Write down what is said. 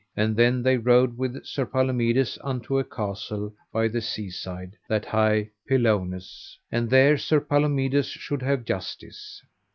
And then they rode with Sir Palomides unto a castle by the seaside, that hight Pelownes, and there Sir Palomides should have justice.